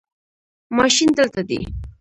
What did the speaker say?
ماشین دلته دی